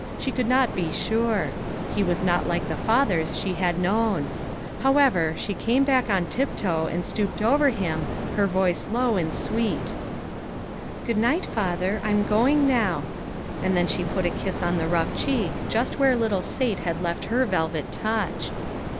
She could not be sure. He was not like the fathers she had known. How ever, she came back on tiptoe and stooped over him, her voice low and sweet :" Good night, father ! I am going now." And then she put a kiss on the rough cheek, just where little Sate had left her velvet touch.